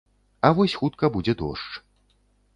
А вось хутка будзе дождж.